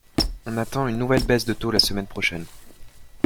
On attend une nouvelle baisse de taux la semaine prochaine.